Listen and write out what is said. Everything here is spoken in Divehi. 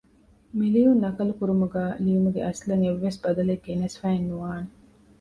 މިލިޔުން ނަކަލުކުރުމުގައި ލިޔުމުގެ އަސްލަށް އެއްވެސް ބަދަލެއް ގެނެސްފައެއް ނުވާނެ